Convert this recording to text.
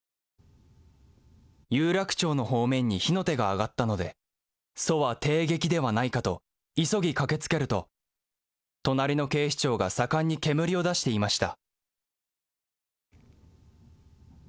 有楽町の方面に火の手が上がったので、そは帝劇ではないかと急ぎ駆けつけると隣の警視庁が盛んに煙を出していました。